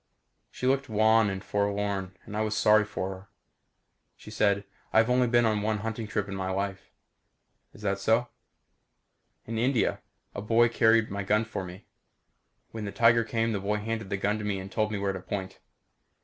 She looked wan and forlorn and I was sorry for her. She said, "I've only been on one hunting trip in my life." "Is that so?" "In India. A boy carried my gun for me. When the tiger came the boy handed me the gun and told me where to point.